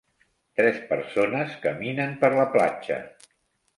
Tres persones caminen per la platja.